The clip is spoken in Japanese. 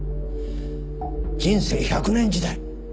人生１００年時代。